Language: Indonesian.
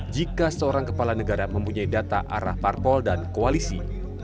jika seorang kepala negara mempunyai data arah parpol dan koalisi